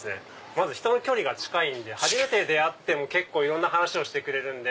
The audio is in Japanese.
まず人の距離が近いんで初めて出会ってもいろんな話をしてくれるんで。